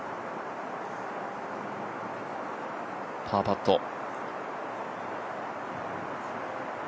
パーパット。